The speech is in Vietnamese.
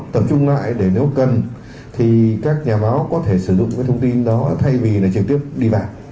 tập trung lại để nếu cần thì các nhà báo có thể sử dụng cái thông tin đó thay vì là trực tiếp đi vào